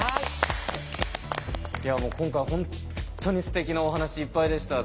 いやもう今回本当にすてきなお話いっぱいでした。